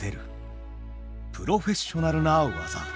プロフェッショナルな技。